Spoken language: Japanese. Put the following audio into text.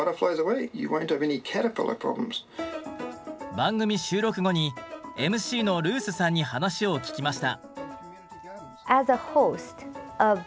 番組収録後にＭＣのルースさんに話を聞きました。